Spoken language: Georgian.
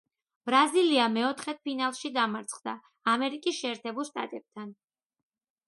ბრაზილია მეოთხედფინალში დამარცხდა ამერიკის შეერთებულ შტატებთან.